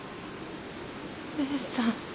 姉さん。